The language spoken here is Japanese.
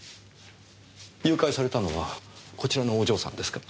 誘拐されたのはこちらのお嬢さんですか？